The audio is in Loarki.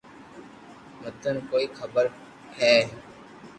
منن ڪوئي خبر ڪوئي ھي